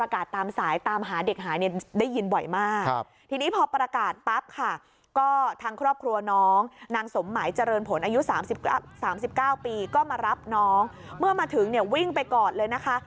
ก็มารับน้องเมื่อมาถึงวิ่งไปก่อนเลยนะคะ